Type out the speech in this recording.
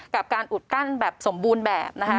กับการอุดกั้นแบบสมบูรณ์แบบนะคะ